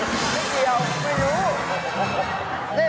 ก็เลยเรียกว่า๔ภญภาคมาจนทุกวันนี้